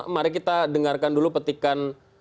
mari kita dengarkan dulu petikan